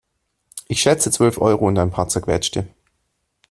Ich schätze zwölf Euro und ein paar Zerquetschte.